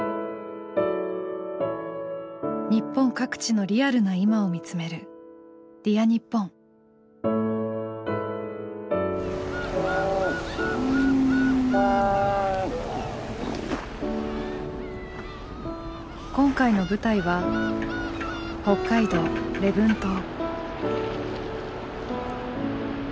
日本各地のリアルな今を見つめる今回の舞台は北海道礼文島。